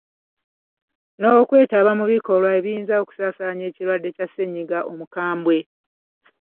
N’okwetaba mu bikolwa ebiyinza okusaasaanya ekirwadde kya ssennyiga omukambwe.